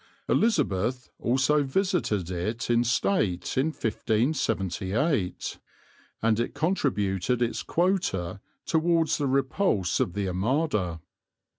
Elizabeth, also visited it in state in 1578, and it contributed its quota towards the repulse of the Armada.